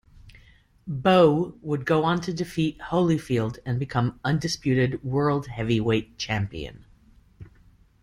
Bowe would go on to defeat Holyfield and become undisputed world heavyweight champion.